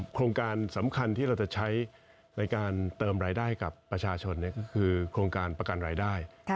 โครงการสำคัญที่เราจะใช้ในการเติมรายได้ให้กับประชาชนก็คือโครงการประกันรายได้